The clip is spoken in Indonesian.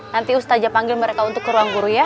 nanti ustaja panggil mereka untuk ke ruang guru ya